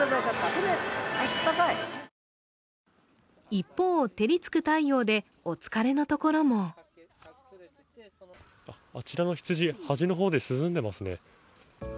一方、照りつく太陽でお疲れのところもあちらの羊、端の方で涼んでいますね。